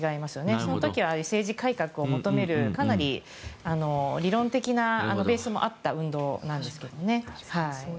その時は政治改革を求めるかなり理論的なベースもあった運動なんですよね。